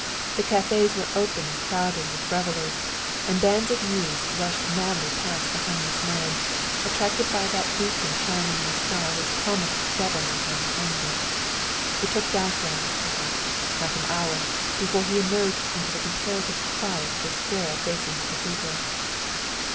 The cafés were open and crowded with revellers, and bands of youths rushed madly past the homeless man, attracted by that beacon shining in the sky which promised devilment and plunder. It took Dasso, perhaps, half an hour before he emerged into the comparative quiet of the square facing the Cathedral.